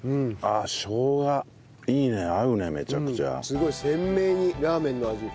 すごい鮮明にラーメンの味。